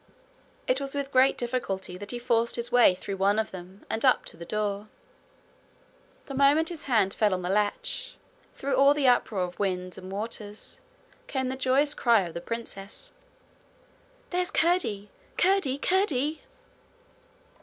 It was with great difficulty that he forced his way through one of them, and up to the door. The moment his hand fell on the latch, through all the uproar of winds and Waters came the joyous cry of the princess: 'There's Curdie! Curdie! Curdie!'